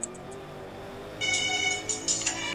د بورې زيات مقدار بازار ته راوړل شو.